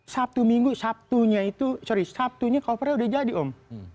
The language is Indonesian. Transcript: sabtu minggu sabtunya itu sorry sabtunya cover nya sudah jadi om